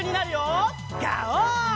ガオー！